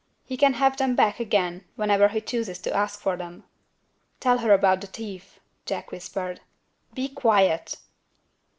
He can have them back again, whenever he chooses to ask for them." "Tell her about the thief," Jack whispered. "Be quiet!"